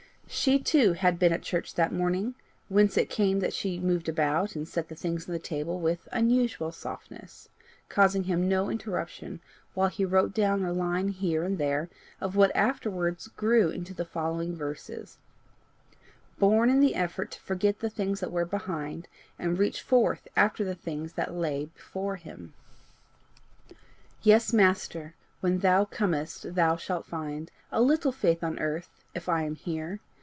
She too had been at church that morning, whence it came that she moved about and set the things on the table with unusual softness, causing him no interruption while he wrote down a line here and there of what afterwards grew into the following verses born in the effort to forget the things that were behind, and reach forth after the things that lay before him. Yes, Master, when thou comest thou shalt find A little faith on earth, if I am here!